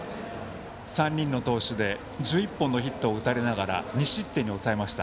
３人の投手で１１本のヒットを打たれながら２失点に抑えました。